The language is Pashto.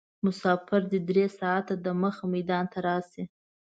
مسافر دې درې ساعته دمخه میدان ته راشي.